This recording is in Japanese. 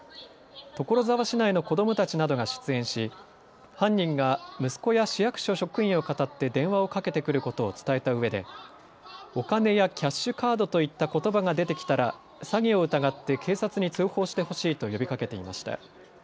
所沢市内の子どもたちなどが出演し犯人が息子や市役所職員をかたって電話をかけてくることを伝えたうえでお金やキャッシュカードといったことばが出てきたら詐欺を疑って警察に通報してほしいと呼びかけていました。